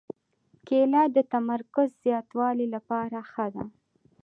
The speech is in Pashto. کېله د تمرکز زیاتولو لپاره ښه ده.